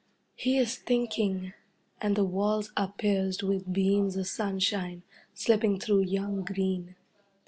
He is thinking, and the walls are pierced with beams of sunshine, slipping through young green.